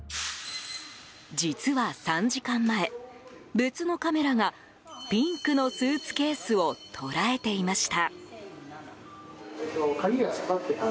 実は３時間前、別のカメラがピンクのスーツケースを捉えていました。